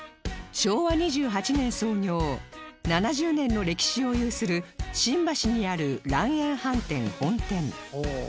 昭和２８年創業７０年の歴史を有する新橋にある蘭苑飯店本店